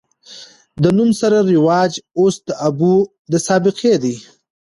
د نوم سره رواج اوس د ابو د سابقې دے